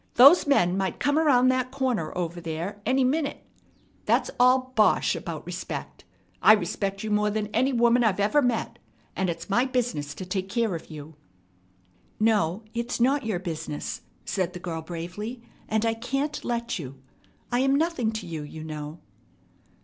Those men might come around that corner ever there any minute. That's all bosh about respect. I respect you more than any woman I ever met. And it's my business to take care of you." "No, it's not your business," said the girl bravely, "and I can't let you. I'm nothing to you, you know."